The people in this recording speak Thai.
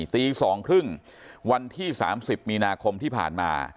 อุดรทานีตีสองครึ่งวันที่สามสิบมีนาคมที่ผ่านมา